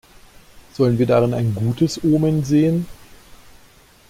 Sollen wir darin ein gutes Omen sehen?